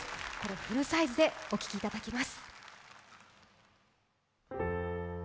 フルサイズでお聴きいただきます。